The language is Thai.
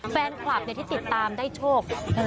แฟนควับเดี๋ยวที่ติดตามได้โชค๒๓แสนนะ